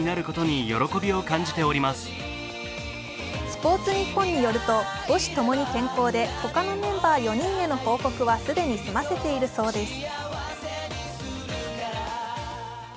「スポーツニッポン」によると母子共に健康で他のメンバー４人への報告は既に済ませているそうです。